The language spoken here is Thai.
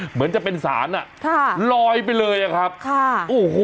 เหมือนจะเป็นสารอ่ะค่ะลอยไปเลยอ่ะครับค่ะโอ้โห